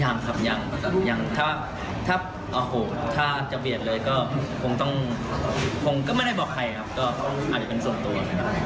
อย่างครับอย่างถ้าจะเบียดเลยก็คงก็ไม่ได้บอกใครครับก็อาจจะเป็นส่วนตัว